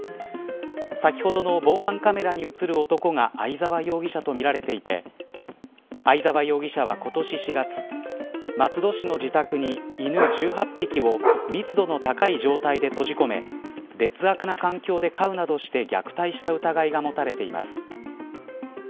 先ほどの防犯カメラに映る男が相沢容疑者とみられていて相沢容疑者は今年４月松戸市の自宅に犬１８匹を密度の高い状態で閉じ込め劣悪な環境で飼うなどして虐待した疑いが持たれています。